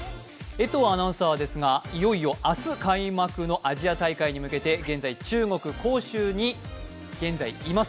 江藤アナウンサーですがいよいよ明日開幕のアジア大会に向けて現在、中国・杭州にいます。